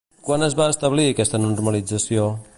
Quan es va establir aquesta normalització?